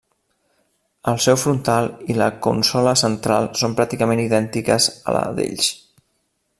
El seu frontal i la consola central són pràcticament idèntiques a la d'ells.